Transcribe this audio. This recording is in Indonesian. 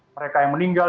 mereka yang meninggal